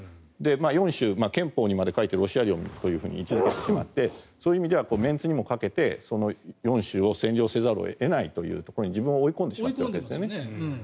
４州、憲法にまで書いてロシア領と位置付けてしまってそういう意味ではメンツにかけて４州を占領せざるを得ないというところに自分を追い込んでしまっているんです。